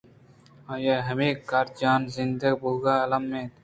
آئی ءِ ہمے کار جان ءِ زِندگ بُوہگ ءَ المّ اِنت